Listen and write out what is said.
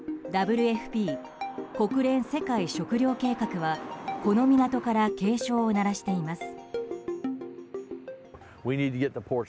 ＷＦＰ・国連世界食糧計画はこの港から警鐘を鳴らしています。